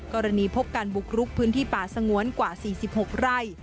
พบการบุกรุกพื้นที่ป่าสงวนกว่า๔๖ไร่